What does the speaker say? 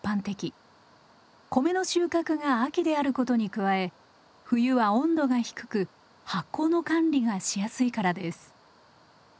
米の収穫が秋であることに加え冬は温度が低く発酵の管理がしやすいからです。